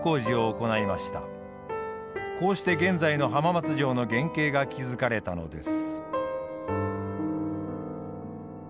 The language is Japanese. こうして現在の浜松城の原形が築かれたのです。